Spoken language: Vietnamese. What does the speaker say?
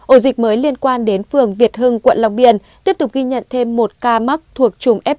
ổ dịch mới liên quan đến phường việt hưng quận long biên tiếp tục ghi nhận thêm một ca mắc thuộc trùm f một